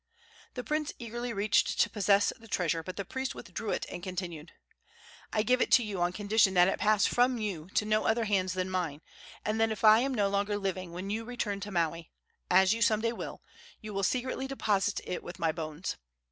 The prince eagerly reached to possess the treasure, but the priest withdrew it and continued: "I give it to you on condition that it pass from you to no other hands than mine, and that if I am no longer living when you return to Maui as you some day will you will secretly deposit it with my bones.